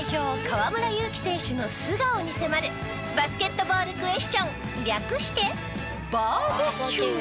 河村勇輝選手の素顔に迫るバスケットボールクエスチョン略してＢＢＱ！